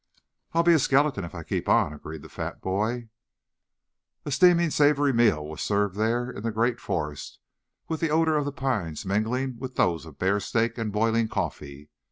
"I'll be a skeleton if I keep on," agreed the fat boy. A steaming, savory meal was served there in the great forest with the odor of the pines mingling with those of bear steak and boiling coffee.